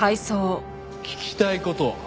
聞きたい事？